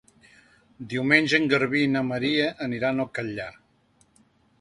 Diumenge en Garbí i na Maria aniran al Catllar.